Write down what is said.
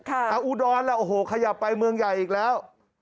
เอาอุดรแล้วโอ้โหขยับไปเมืองใหญ่อีกแล้ว